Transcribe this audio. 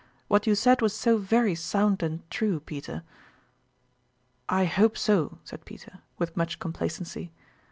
What you said was so very sound and true, Peter." " I hope so, said Peter, with much com placency.